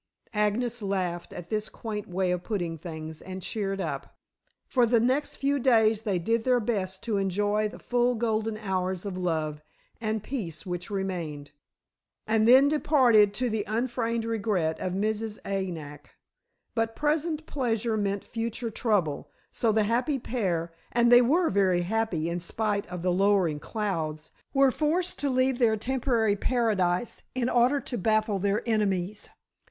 Agnes laughed at this quaint way of putting things, and cheered up. For the next few days they did their best to enjoy to the full the golden hours of love, and peace which remained, and then departed, to the unfeigned regret of Mrs. "Anak." But present pleasure meant future trouble, so the happy pair and they were happy in spite of the lowering clouds were forced to leave their temporary paradise in order to baffle their enemies.